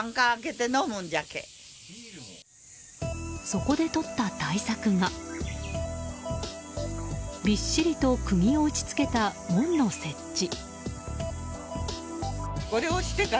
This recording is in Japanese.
そこでとった対策がびっしりと釘を打ち付けた門の設置。